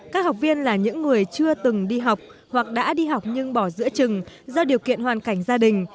các học viên là những người chưa từng đi học hoặc đã đi học nhưng bỏ giữa trừng do điều kiện hoàn cảnh gia đình